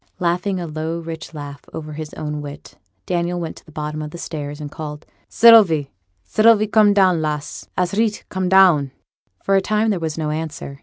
Laughing a low rich laugh over his own wit, Daniel went to the bottom of the stairs, and called, 'Sylvie, Sylvie! come down, lass! a's reet; come down!' For a time there was no answer.